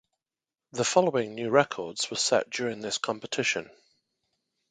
The following new records were set during this competition.